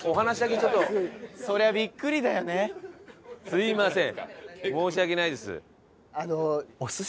すいません。